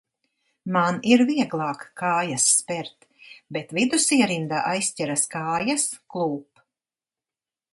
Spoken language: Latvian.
Man ir vieglāk kājas spert, bet vidus ierindā aizķeras kājas, klūp.